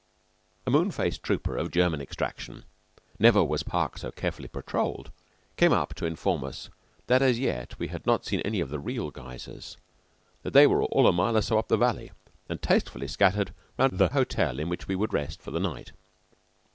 A moon faced trooper of German extraction never was park so carefully patrolled came up to inform us that as yet we had not seen any of the real geysers; that they were all a mile or so up the valley, and tastefully scattered round the hotel in which we would rest for the night.